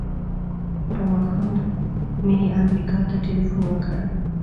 په ماښام مې امریکا ته ټیلفون وکړ.